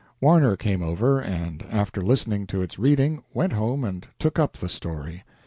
Warner came over and, after listening to its reading, went home and took up the story.